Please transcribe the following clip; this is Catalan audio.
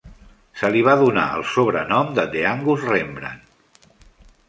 Se li va donar el sobrenom de The Angus Rembrandt.